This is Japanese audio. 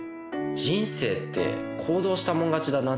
人生って行動したもん勝ちだなって。